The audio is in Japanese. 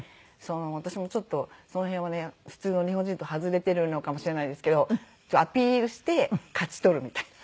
私もちょっとその辺はね普通の日本人と外れてるのかもしれないですけどアピールして勝ち取るみたいな。